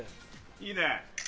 いいね。